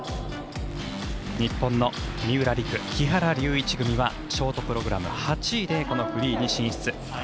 日本の三浦璃来、木原龍一組はショートプログラム８位でこのフリーに進出。